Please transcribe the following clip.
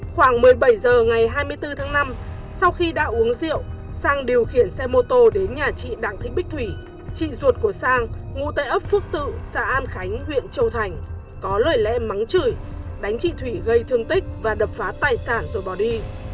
khoảng một mươi bảy h ngày hai mươi bốn tháng năm sau khi đã uống rượu sang điều khiển xe mô tô đến nhà chị đặng thị bích thủy chị ruột của sang ngủ tại ấp phước tự xã an khánh huyện châu thành có lời lẽ mắng chửi đánh chị thủy gây thương tích và đập phá tài sản rồi bỏ đi